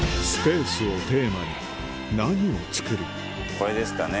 これですかね